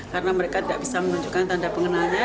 karena mereka tidak bisa menunjukkan tanda pengenalnya